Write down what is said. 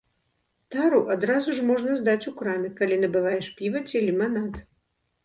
Тару адразу ж можна здаць у краме, калі набываеш піва ці ліманад.